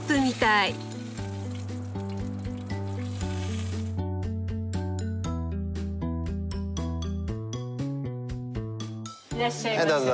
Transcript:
いらっしゃいませ。